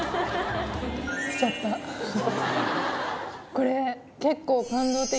これ結構。